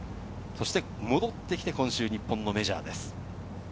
戻ってきて今週、日本のメジャーです。